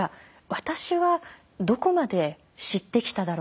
私はどこまで知ってきただろうか